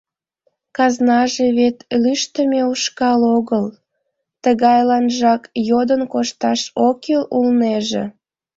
Казнаже вет лӱштымӧ ушкал огыл, тыгайланжак йодын кошташ ок кӱл улнеже.